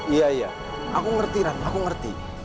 iya iya aku ngerti rak aku ngerti